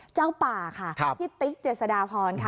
เจ้าป่าค่ะพี่ติ๊กเจษฎาพรค่ะ